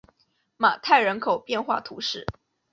马泰人口变化图示